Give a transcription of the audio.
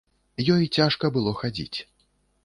Ёй цяжка было хадзіць.